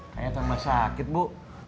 kayak tambah sakit bu